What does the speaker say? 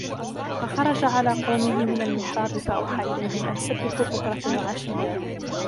فخرج على قومه من المحراب فأوحى إليهم أن سبحوا بكرة وعشيا